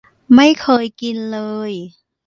ไม่เคยกินเลย